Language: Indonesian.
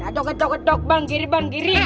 aduh bang kiri bang kiri